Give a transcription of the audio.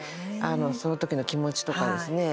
その時の気持ちとかですね。